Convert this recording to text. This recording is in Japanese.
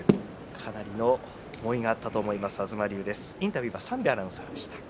かなりの思いがあったと思います、東龍です。